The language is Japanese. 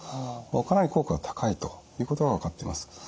かなり効果が高いということが分かっています。